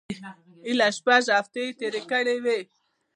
ایله شپږ هفتې یې تېرې کړې وې.